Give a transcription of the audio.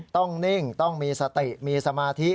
ต้องนิ่งต้องมีสตะมีสมาธิ